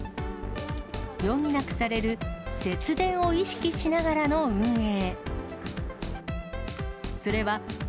余儀なくされる節電を意識しながらの運営。